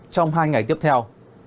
trong hai ngày tiếp theo